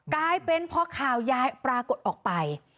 กลายเป็นพอข่าวย้ายปรากฏออกไป